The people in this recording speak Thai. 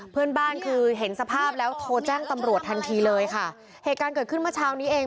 เพื่อนบ้านคือเห็นสภาพแล้วโทรแจ้งตำรวจทันทีเลยค่ะเหตุการณ์เกิดขึ้นเมื่อเช้านี้เอง